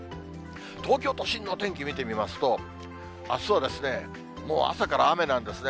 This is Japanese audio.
東京都心のお天気、見てみますと、あすはもう朝から雨なんですね。